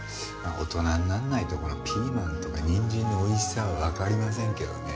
大人になんないとピーマンとかにんじんのおいしさはわかりませんけどね。